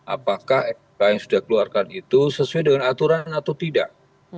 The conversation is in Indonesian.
apakah sk yang sudah keluarkan itu sesuai dengan aturan atau tidak